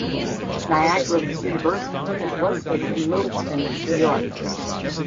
Niagara University is located in Lewiston, New York.